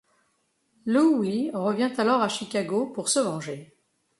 Louie revient alors à Chicago pour se venger.